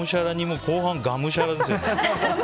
後半、がむしゃらですよね。